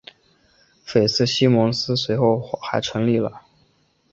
菲茨西蒙斯随后还成立了。